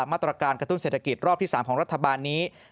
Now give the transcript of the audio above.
มาตรการกระตุ้นเศรษฐกิจรอบที่๓ของรัฐบาลนี้